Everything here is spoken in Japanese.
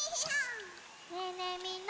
ねえねえみんな。